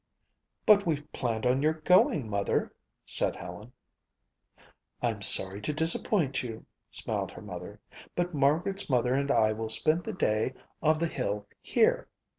"But we've planned on your going, Mother," said Helen. "I'm sorry to disappoint you," smiled her mother, "but Margaret's mother and I will spend the day on the hill here.